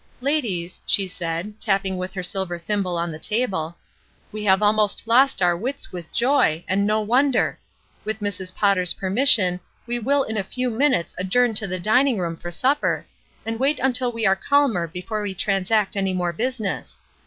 '^ Ladies/* she said, tapping with her silver thimble on the table, *'we have almost lost our wits for joy, and no wonder. With Mrs. Potter's permission we will in a few minutes adjourn to the dining room for supper, and wait until we are calmer before we transact any more business.